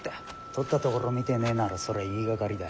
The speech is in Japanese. とったところを見てねえならそれは言いがかりだ。